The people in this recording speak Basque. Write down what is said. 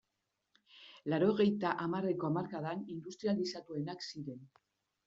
Laurogeita hamarreko hamarkadan industrializatuenak ziren.